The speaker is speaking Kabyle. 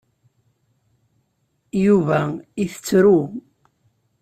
Yuba itettru.